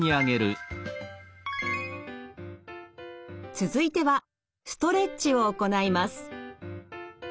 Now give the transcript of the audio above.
続いてはストレッチを行います。